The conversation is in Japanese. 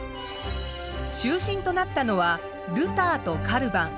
中心となったのはルターとカルヴァン。